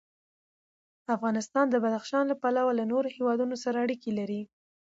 افغانستان د بدخشان له پلوه له نورو هېوادونو سره اړیکې لري.